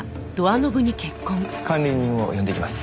管理人を呼んできます。